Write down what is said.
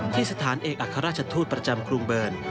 สถานเอกอัครราชทูตประจำกรุงเบิร์น